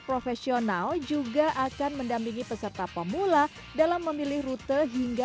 profesional juga akan mendampingi peserta pemula dalam memilih rute hingga